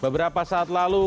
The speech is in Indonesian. beberapa saat lalu